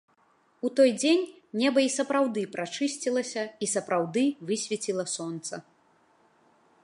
У той дзень неба і сапраўды прачысцілася і сапраўды высвеціла сонца.